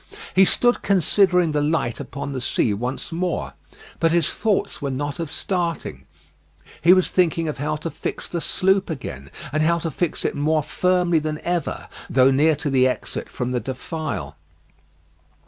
He stood considering the light upon the sea once more; but his thoughts were not of starting. He was thinking of how to fix the sloop again, and how to fix it more firmly than ever, though near to the exit from the defile.